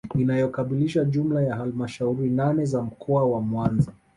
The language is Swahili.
Inayokamilisha jumla ya halmashauri nane za mkoa wa Mwanza